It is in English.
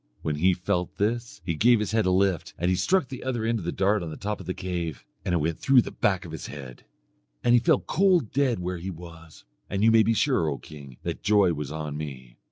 When he felt this he gave his head a lift, and he struck the other end of the dart on the top of the cave, and it went through to the back of his head. And he fell cold dead where he was; and you may be sure, O king, that joy was on me.